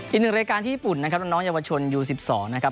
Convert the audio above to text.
อีกหนึ่งรายการที่ญี่ปุ่นนะครับน้องเยาวชนยู๑๒นะครับ